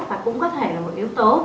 và cũng có thể là một yếu tố